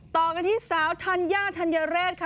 ต่อกันที่สาวธัญญาธัญเรศค่ะ